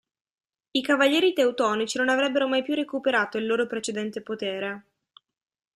I Cavalieri Teutonici non avrebbero mai più recuperato il loro precedente potere.